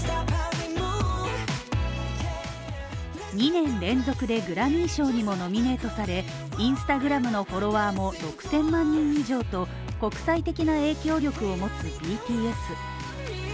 ２年連続でグラミー賞にもノミネートされＩｎｓｔａｇｒａｍのフォロワーも６０００万人以上と国際的な影響力を持つＢＴＳ。